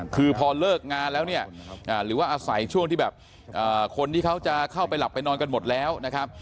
คือพอเลิกงานแล้วเนี่ยหรือว่าอาศัยช่วงที่แบบคนที่เขาจะเข้าไปหลับไปนอนกันหมดแล้วนะครับ